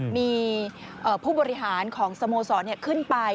มีผู้บริหารของสโมสรขึ้นไป